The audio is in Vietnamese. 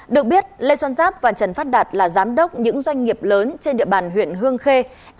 được biết lê xuân giáp và trần phát đạt là giám đốc những doanh nghiệp lớn trên địa bàn huyện hương khê